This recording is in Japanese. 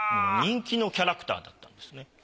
人気のキャラクターだったんですね。